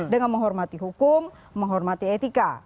dengan menghormati hukum menghormati etika